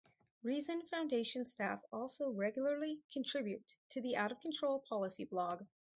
Reason Foundation staff also regularly contribute to the "Out of Control Policy Blog".